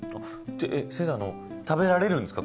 先生食べられるんですか？